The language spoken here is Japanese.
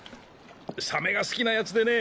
サメが好きな奴でね。